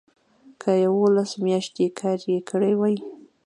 که یوولس میاشتې کار یې کړی وي.